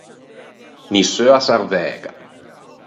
Nisseua sarvæga.